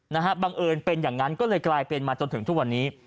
บังเอิญเป็นอย่างนั้นก็เลยกลายเป็นมาจนถึงทุกวันนี้